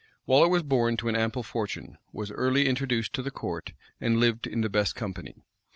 Waller was born to an ample fortune, was early introduced to the court, and lived in the best company.